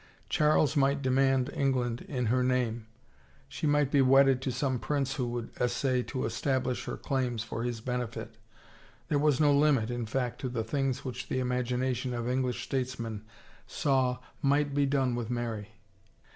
Charles might de mand England in her name — she might be wedded to some prince who would essay to establish her claims for his benefit — there was no limit, in fact, to the things which the imagination of English statesmen saw might be done with Mary.